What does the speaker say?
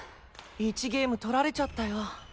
１ゲーム取られちゃったよ。